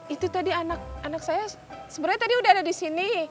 itu tadi anak anak saya sebenarnya tadi udah ada di sini